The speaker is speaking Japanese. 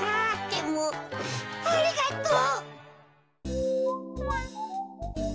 でもありがと。